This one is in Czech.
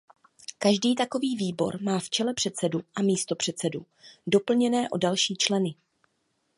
Každý takový výbor má v čele předsedu a místopředsedu doplněné o další členy.